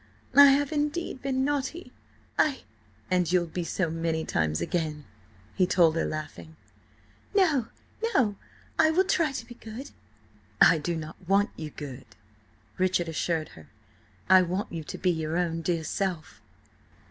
I have indeed been naughty–I—" "And you'll be so many times again," he told her, laughing. "No, no! I–will–try to be good!" "I do not want you good!" Richard assured her. "I want you to be your own dear self!"